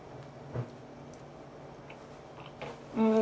うん！